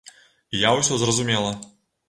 І я ўсё зразумела.